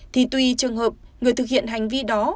thì tuy trường hợp người thực hiện hành vi đó